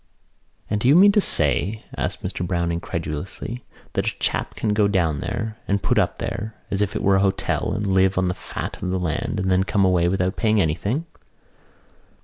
"And do you mean to say," asked Mr Browne incredulously, "that a chap can go down there and put up there as if it were a hotel and live on the fat of the land and then come away without paying anything?"